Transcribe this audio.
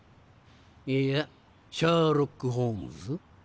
いやシャーロック・ホームズ。